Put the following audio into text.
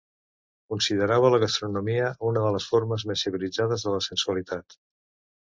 Considerava la gastronomia una de les formes més civilitzades de la sensualitat.